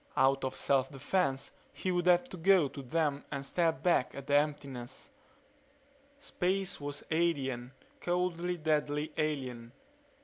Out of self defense he would have to go to them and stare back at the emptiness. Space was alien; coldly, deadly, alien.